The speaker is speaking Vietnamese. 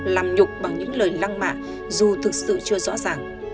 làm nhục bằng những lời lăng mạ dù thực sự chưa rõ ràng